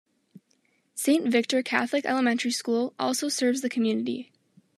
Saint Victor Catholic elementary school also serves the community.